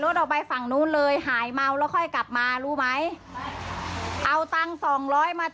ไทยมิสูรค่ะปฏิเสธมาว